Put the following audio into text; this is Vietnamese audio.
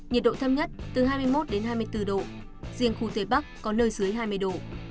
nhiệt độ thấp nhất từ hai mươi một đến hai mươi bốn độ riêng khu tây bắc có nơi dưới hai mươi độ